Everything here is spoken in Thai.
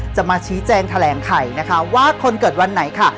จะมาชี้แจงแถลงไขนะคะว่าคนเกิดวันไหนค่ะ